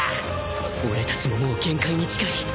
俺たちももう限界に近い